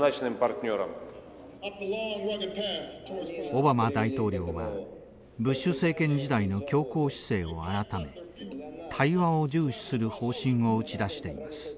オバマ大統領はブッシュ政権時代の強硬姿勢を改め対話を重視する方針を打ち出しています。